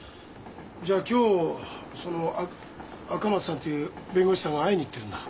じゃあ今日その赤松さんっていう弁護士さんが会いに行ってるんだ。